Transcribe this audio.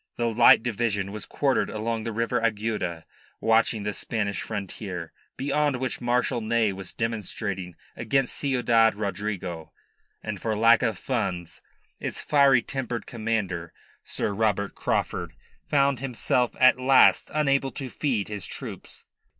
The Light Division was quartered along the River Agueda, watching the Spanish frontier, beyond which Marshal Ney was demonstrating against Ciudad Rodrigo, and for lack of funds its fiery tempered commander, Sir Robert Craufurd, found himself at last unable to feed his troops.